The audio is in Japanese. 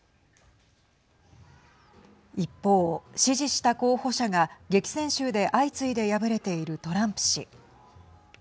一方、支持した候補者が激戦州で相次いで敗れているトランプ氏。